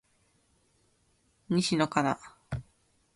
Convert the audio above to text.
西野カナ